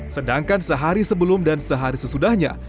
sedangkan sehari sebelum dan sehari sesudahnya